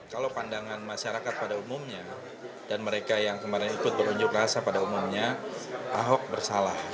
kalau pandangan masyarakat pada umumnya dan mereka yang kemarin ikut berunjuk rasa pada umumnya ahok bersalah